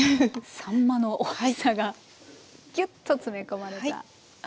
さんまのおいしさがぎゅっと詰め込まれた。